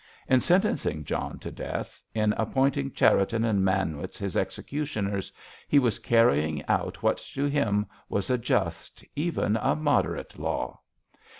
In sentencing John to death, in appointing Cherriton and Manwitz his executioners, he was carrying out what to him was a just, even a moderate law.